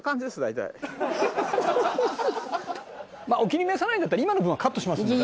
お気に召さないんだったら今の部分はカットしますんで。